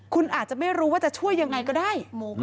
คุณอาจจะไม่รู้ว่าจะช่วยยังไงก็ได้